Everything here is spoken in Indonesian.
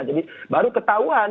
jadi baru ketahuan